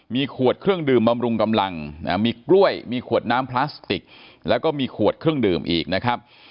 มีขวดเครื่องดื่มบำรุงกำลังมีกล้วยมีขวดน้ำพลาสติกแล้วก็มีขวดเครื่องดื่มอีกนะครับ